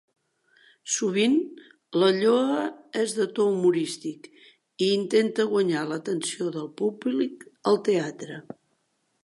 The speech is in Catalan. Sovint, la lloa és de to humorístic i intenta guanyar l'atenció del públic al teatre.